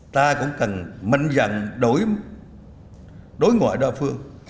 ta cũng cần mạnh dặn đối ngoại đa phương